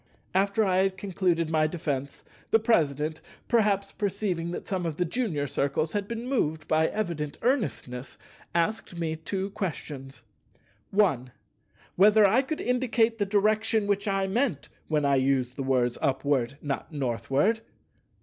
After I had concluded my defence, the President, perhaps perceiving that some of the junior Circles had been moved by evident earnestness, asked me two questions:— 1. Whether I could indicate the direction which I meant when I used the words "Upward, not Northward"?